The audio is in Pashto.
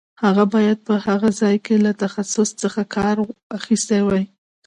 هغه باید په هغه ځای کې له تخصص څخه کار اخیستی وای.